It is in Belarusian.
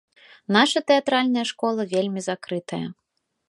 Наша тэатральная школа вельмі закрытая.